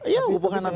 ya hubungan antara itu